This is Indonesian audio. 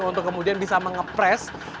untuk kemudian bisa mengepres